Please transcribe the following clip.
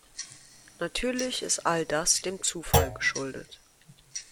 Natürlich ist all das dem Zufall geschuldet.